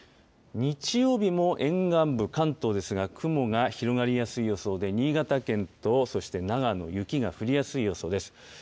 日曜日も沿岸部、関東ですが、雲が広がりやすい予想で、新潟県と長野、雪が降りやすい予想です。